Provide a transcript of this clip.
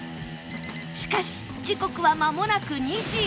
しかし時刻はまもなく２時